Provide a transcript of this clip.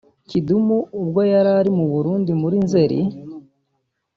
Kidumu ubwo yari ari i Burundi muri Nzeli